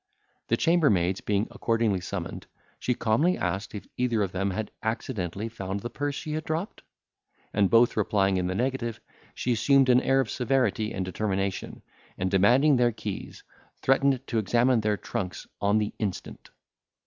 The chambermaids being accordingly summoned, she calmly asked if either of them had accidentally found the purse she had dropped? and both replying in the negative, she assumed an air of severity and determination, and demanding their keys, threatened to examine their trunks on the instant.